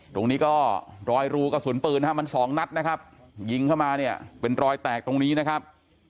ตรงนี้ก็รอยรูกระสุนปืนนะครับมันสองนัดนะครับยิงเข้ามาเนี่ยเป็นรอยแตกตรงนี้นะครับ